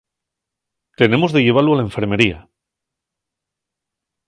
Tenemos de llevalu a la enfermería.